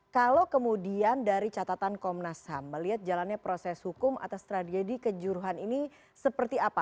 kalau kemudian dari catatan komnas ham melihat jalannya proses hukum atas tragedi kejuruhan ini seperti apa